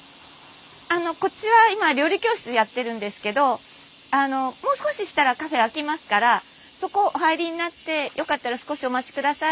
あのこっちは今料理教室やってるんですけどあのもう少ししたらカフェ開きますからそこお入りになってよかったら少しお待ちください。